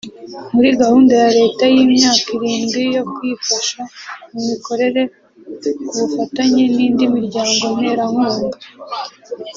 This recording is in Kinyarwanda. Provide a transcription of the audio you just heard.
muri gahunda ya Leta y’imyaka irindwi yo kuyifasha mu mikorere ku bufatanye n’indi miryango nterankunga